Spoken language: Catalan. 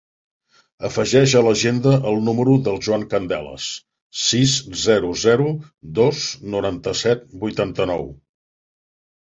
Afegeix a l'agenda el número del Joan Candelas: sis, zero, zero, dos, noranta-set, vuitanta-nou.